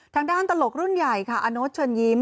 ทางด้านตลกรุ่นใหญ่ค่ะอาโน้ตเชิญยิ้ม